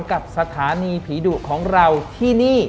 กับสถานีผีดุของเราที่นี่